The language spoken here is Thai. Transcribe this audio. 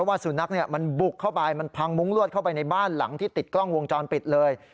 สุนัขมันบุกเข้าไปมันพังมุ้งลวดเข้าไปในบ้านหลังที่ติดกล้องวงจรปิดเลย